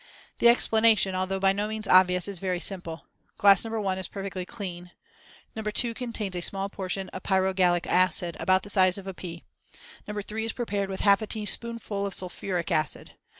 The explanation, although by no means obvious, is very simple. Glass No. 1 is perfectly clean. No. 2 contains a small portion of pyrogallic acid, about the size of a pea. No. 3 is prepared with half a teaspoonful of sulphuric acid.